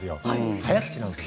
早口なんです。